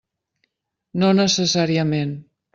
No necessàriament.